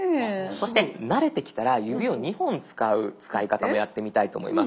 そして慣れてきたら指を２本使う使い方もやってみたいと思います。